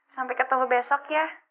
sampai ketemu besok ya